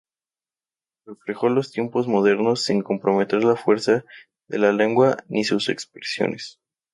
Reflejó los tiempos modernos sin comprometer la fuerza de la lengua ni sus expresiones.